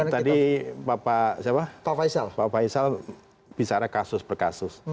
tadi bapak faisal bicara kasus per kasus